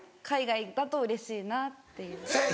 海外だとうれしいなっていう。